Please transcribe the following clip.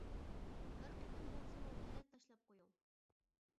بىر قېتىم بولسىمۇ بېلەت تاشلاپ قويۇڭ.